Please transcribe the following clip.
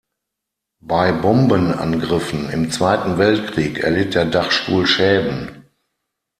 Bei Bombenangriffen im Zweiten Weltkrieg erlitt der Dachstuhl Schäden.